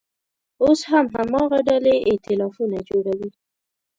اوس هم هماغه ډلې اییتلافونه جوړوي.